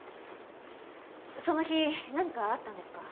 その日何かあったんですか？